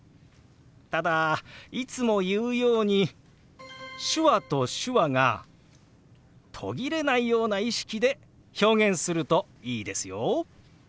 ただいつも言うように手話と手話が途切れないような意識で表現するといいですよ。